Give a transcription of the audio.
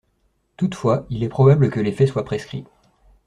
Toutefois, il est probable que les faits soient prescrits.